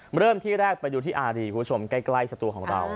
มาเริ่มที่แรกไปดูที่อารีกที่ที่คุณผู้ชมใกล้สัตว์ตัวของเรา